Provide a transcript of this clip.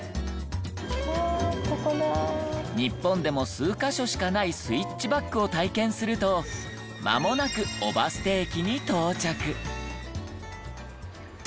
日本でも数カ所しかないスイッチバックを体験するとまもなく「うわっ！キレイ」